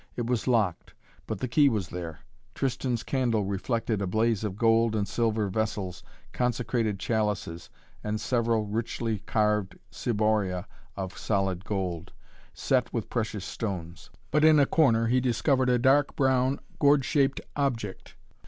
It was locked, but the key was there. Tristan's candle reflected a blaze of gold and silver vessels, consecrated chalices, and several richly carved ciboria of solid gold, set with precious stones. But in a corner he discovered a dark brown, gourd shaped object.